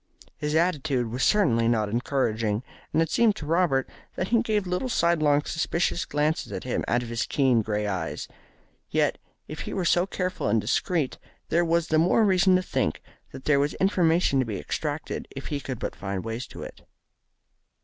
His attitude was certainly not encouraging, and it seemed to Robert that he gave little sidelong suspicious glances at him out of his keen grey eyes. Yet, if he were so careful and discreet there was the more reason to think that there was information to be extracted, if he could but find a way to it.